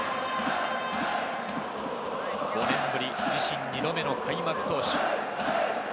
５年ぶり、自身２度目の開幕投手。